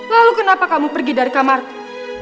lalu kenapa kamu pergi dari kamar aku